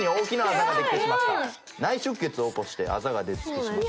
内出血を起こしてあざができてしまった。